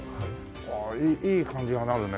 ああいい感じになるね。